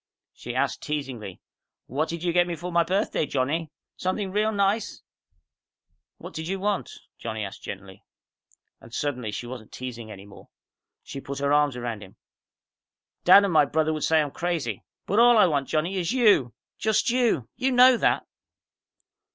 She asked teasingly, "What did you get me for my birthday, Johnny? Something real nice?" "What did you want?" Johnny asked her gently. And suddenly she wasn't teasing any more. She put her arms around him. "Dad and my brother would say I'm crazy. But all I want, Johnny, is you. Just you! You know that."